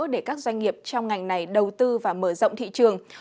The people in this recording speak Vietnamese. để các doanh nghiệp trong ngành này đầu tư và mở rộng thị trường